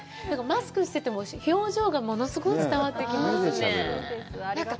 マスクしていても、表情が物すごく伝わってきますね。